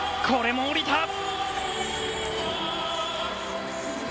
これも下りた。